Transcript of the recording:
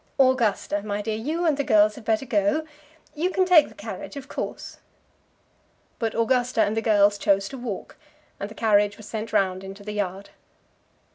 "Augusta, my dear, you and the girls had better go. You can take the carriage of course." But Augusta and the girls chose to walk, and the carriage was sent round into the yard.